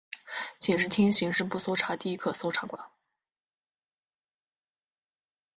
警视厅刑事部搜查第一课搜查官。